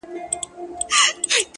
ستا دپښو سپين پايزيبونه زما بدن خوري؛